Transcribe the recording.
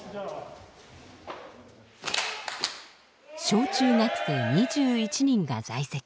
小中学生２１人が在籍。